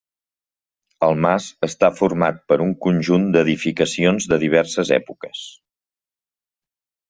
El mas està format per un conjunt d'edificacions de diverses èpoques.